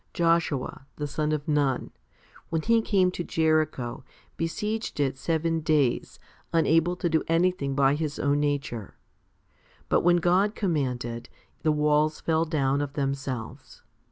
Joshua, the son of Nun, when he came to Jericho, besieged it seven days, unable to do anything by his own nature ; but when God commanded, the walls fell down of themselves.